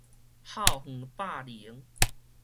校園霸凌